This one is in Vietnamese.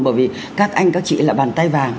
bởi vì các anh các chị là bàn tay vàng